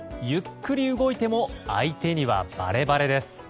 ゆっくり動いても相手にはバレバレです。